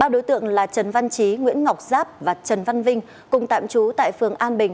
ba đối tượng là trần văn trí nguyễn ngọc giáp và trần văn vinh cùng tạm trú tại phường an bình